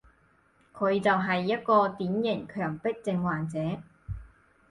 佢就係一個典型強迫症患者